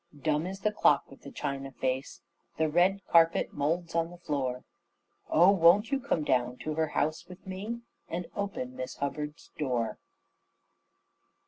Dumb is the clock with the china face, The carpet moulds on the floor; Oh, won't you come down to her house with me And open Miss Hubbard's door?